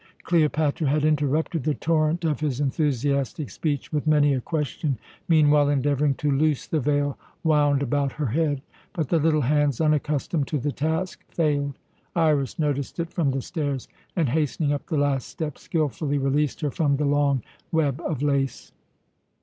Cleopatra had interrupted the torrent of his enthusiastic speech with many a question, meanwhile endeavouring to loose the veil wound about her head; but the little hands, unaccustomed to the task, failed. Iras noticed it from the stairs and, hastening up the last steps, skilfully released her from the long web of lace.